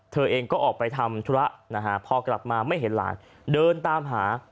เธอเองก็ออกไปทำธุระนะฮะพอกลับมาไม่เห็นหลานเดินตามหา